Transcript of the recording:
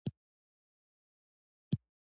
ایا زه باید د ګلاب شربت وڅښم؟